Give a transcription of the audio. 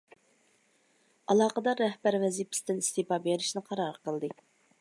ئالاقىدار رەھبەر ۋەزىپىسىدىن ئىستېپا بېرىشنى قارار قىلدى.